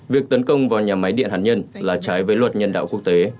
việc tấn công vào nhà máy điện hạt nhân là trái với luật nhân đạo quốc tế